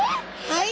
はい。